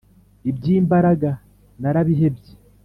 Iby'imbaraga narabihebye.